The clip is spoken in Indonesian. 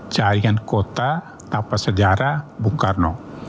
jaringan kota tanpa sejarah bung karno